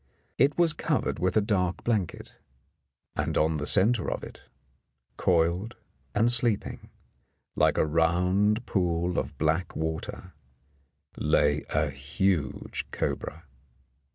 It was covered with a dark blanket, and on the centre of it, coiled and sleeping, like a round pool of black water, lay a huge cobra.